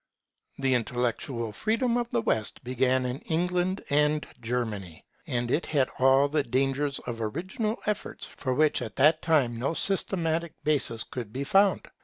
The intellectual freedom of the West began in England and Germany; and it had all the dangers of original efforts for which at that time no systematic basis could be found.